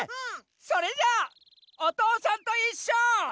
それじゃ「おとうさんといっしょ」。